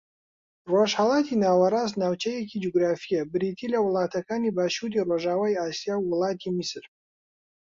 ڕۆژھەڵاتی ناوەڕاست ناوچەیەکی جوگرافییە بریتی لە وڵاتەکانی باشووری ڕۆژاوای ئاسیا و وڵاتی میسر